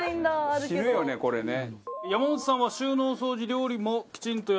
死ぬよねこれね。